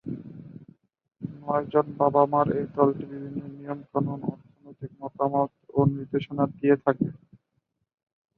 নয়জন বাবা-মার এই দলটি বিভিন্ন নিয়ম-কানুন, অর্থনৈতিক মতামত ও নির্দেশনা দিয়ে থাকে।